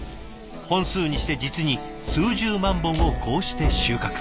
本数にして実に数十万本をこうして収穫。